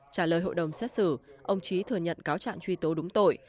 trả lời hội đồng xét xử ông trí thừa nhận cáo trạng truy tố đúng tội